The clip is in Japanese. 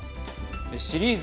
シリーズ